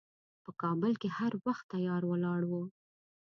په کابل کې هر وخت تیار ولاړ و.